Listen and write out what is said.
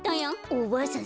おばあさん